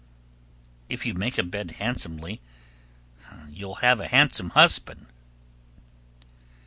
1310. If you make a bed handsomely, you'll have a handsome husband.